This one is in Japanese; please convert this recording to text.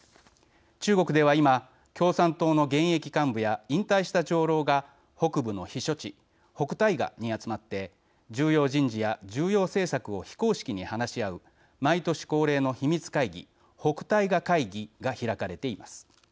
中国では今、共産党の現役幹部や引退した長老が北部の避暑地、北戴河に集まって重要人事や重要政策を非公式に話し合う毎年恒例の秘密会議北戴河会議が開かれています。